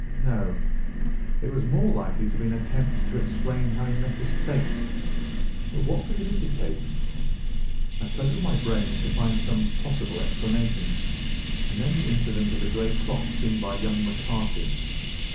No, it was more likely to be an attempt to explain how he met his fate. But what could it indicate? I cudgelled my brains to find some possible explanation. And then the incident of the grey cloth seen by young McCarthy.